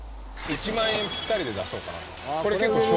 １万円ぴったりで出そうかなと。